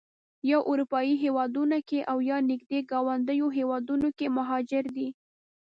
یا اروپایي هېوادونو کې او یا نږدې ګاونډیو هېوادونو کې مهاجر دي.